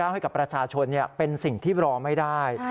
ให้กับประชาชนเป็นสิ่งที่รอไม่ได้